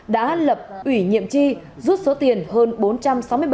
đã lập ủy nhiệm tri rút số tiền hơn bốn trăm linh triệu đồng